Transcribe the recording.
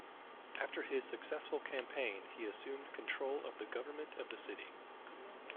After his successful campaign he assumed control of the government of the city.